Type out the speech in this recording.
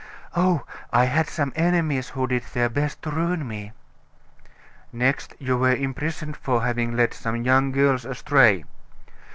"Oh, I had some enemies who did their best to ruin me." "Next you were imprisoned for having led some young girls astray."